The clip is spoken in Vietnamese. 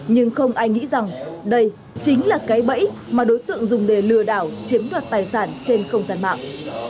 nhưng không ai nghĩ rằng đây chính là cái bẫy mà đối tượng dùng để lừa đảo chiếm đoạt tài sản trên không gian mạng